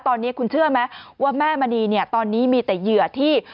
ตอนนี้คุณเชื่อไหมว่าแม่มณีเนี่ยตอนนี้มีแต่เหยื่อที่